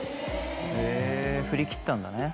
へぇ振り切ったんだね。